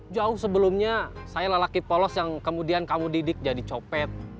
jauh sebelumnya saya lelaki polos yang kemudian kamu didik jadi copet